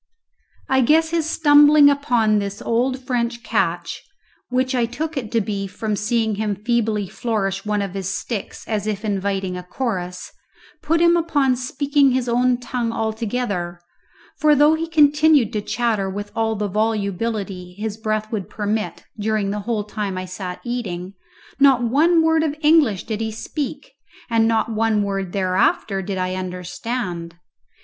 I guess his stumbling upon this old French catch (which I took it to be from seeing him feebly flourish one of his sticks as if inviting a chorus) put him upon speaking his own tongue altogether, for though he continued to chatter with all the volubility his breath would permit during the whole time I sat eating, not one word of English did he speak, and not one word therefore did I understand.